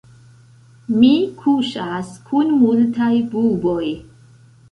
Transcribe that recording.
Mi kuŝas kun multaj buboj.